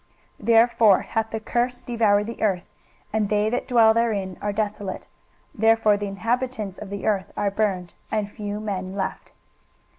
23:024:006 Therefore hath the curse devoured the earth, and they that dwell therein are desolate: therefore the inhabitants of the earth are burned, and few men left.